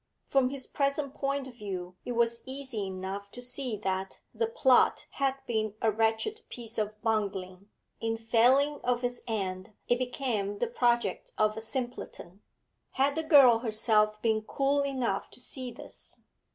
From his present point of view it was easy enough to see that the plot had been a wretched piece of bungling; in failing of its end it became the project of a simpleton. Had the girl herself been cool enough to see this?